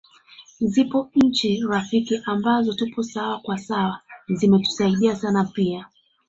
Zipo Nchi rafiki ambazo tupo sawa kwa sawa zimetusaidia sana pia